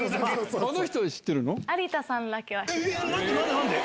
あの人知ってるの？